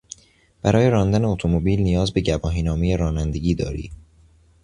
برای راندن اتومبیل نیاز به گواهینامهی رانندگی داری.